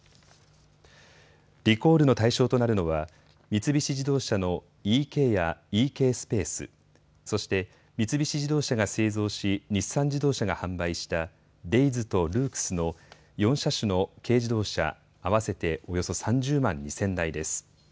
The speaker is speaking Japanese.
リコールの対象となるのは三菱自動車のｅＫやｅＫＳＰＡＣＥ、そして三菱自動車が製造し日産自動車が販売したＤＡＹＺとＲＯＯＸの４車種の軽自動車、合わせておよそ３０万２０００台です。